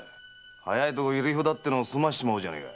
早いとこ入札ってのを済ましちまおうじゃねえか。